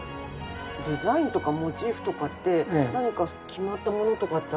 デザインとかモチーフとかって何か決まったものとかってあるんですか？